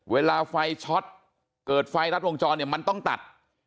เวลาไฟช็อตเกิดไฟรัดวงจรเนี่ยมันต้องตัด